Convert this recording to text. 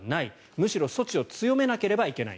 むしろ措置を強めなければいけない。